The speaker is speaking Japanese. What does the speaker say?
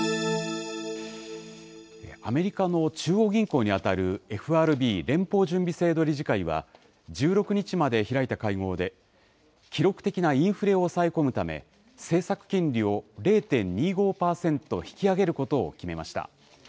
アメリカの中央銀行にあたるＦＲＢ・連邦準備制度理事会は１６日まで開いた会合で記録的なインフレを抑え込むため政策金利を０．２５％引き上げることを決めました。